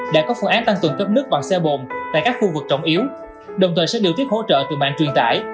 đã có phương án tăng cường cấp nước bằng xe bồn tại các khu vực trọng yếu đồng thời sẽ điều tiết hỗ trợ từ mạng truyền tải